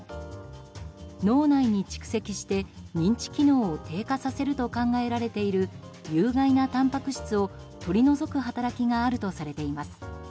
脳内に蓄積して認知機能を低下させると考えられている有害なたんぱく質を取り除く働きがあるとされています。